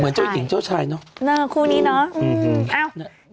เหมือนเจ้าหญิงเจ้าชายเนอะคู่นี้เนอะเอ้าเดี๋ยวกลับมาค่ะ